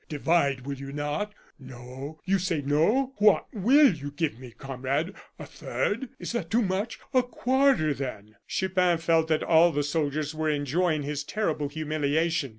Divide, will you not? No, you say no? What will you give me, comrade? A third? Is that too much? A quarter, then " Chupin felt that all the soldiers were enjoying his terrible humiliation.